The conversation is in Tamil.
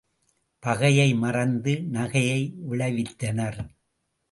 பகையை மறந்து நகையை விளைவித்தனர்.